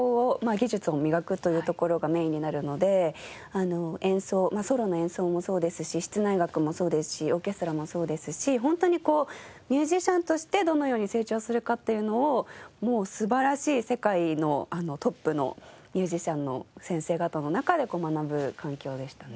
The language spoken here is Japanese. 技術を磨くというところがメインになるので演奏ソロの演奏もそうですし室内楽もそうですしオーケストラもそうですしホントにこうミュージシャンとしてどのように成長するかっていうのをもう素晴らしい世界のトップのミュージシャンの先生方の中で学ぶ環境でしたね。